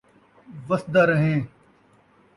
وسدا رہیں